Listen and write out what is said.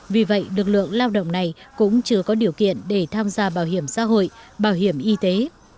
vì vậy lực lượng lao động này cũng chưa có điều kiện để tham gia bảo hiểm xã hội bảo hiểm y tế